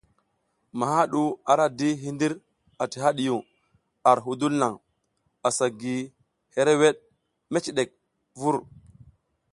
Maha ɗu ara di hindir ati hadiyun ar hudul naŋ, asa gi hereweɗ meciɗek vur.